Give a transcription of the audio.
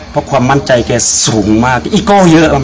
เพราะความมั่นใจใดใจสูงโอ้เ฻กกลเยอะมาก